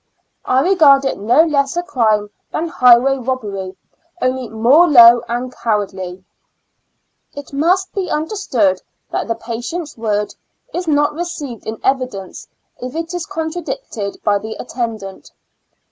I regard it no less a crime than highway robbery, only more low and cowardly. It must be understood that the patient's word is not received in evidence if it is con tradicted by the attendant.